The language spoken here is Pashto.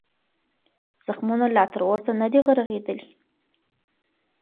زخمونه لا تر اوسه نه دي رغېدلي.